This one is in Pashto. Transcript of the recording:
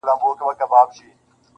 o او خپل مفهوم ترې اخلي تل,